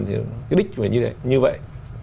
thì cái đích phải như vậy